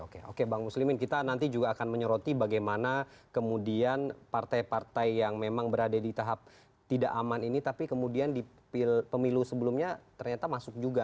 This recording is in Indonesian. oke oke bang muslimin kita nanti juga akan menyoroti bagaimana kemudian partai partai yang memang berada di tahap tidak aman ini tapi kemudian di pemilu sebelumnya ternyata masuk juga